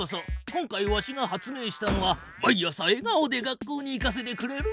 今回わしが発明したのは毎朝えがおで学校に行かせてくれるマシン。